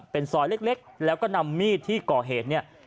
เป็นซอยเล็กแล้วก็นำมีดที่ก่อเหตุเนี่ย